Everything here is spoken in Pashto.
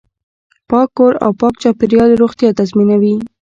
پاک کور او پاک چاپیریال روغتیا تضمینوي.